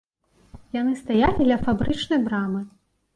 Яны стаялі ля фабрычнай брамы.